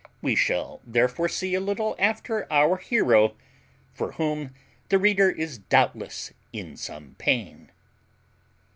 We shall therefore see a little after our hero, for whom the reader is doubtless in some pain.